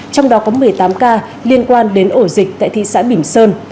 trong đó có một mươi tám ca liên quan đến ổ dịch tại thị xã bỉm sơn